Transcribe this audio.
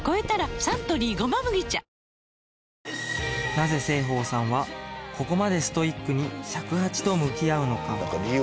なぜ栖鳳さんはここまでストイックに尺八と向き合うのか？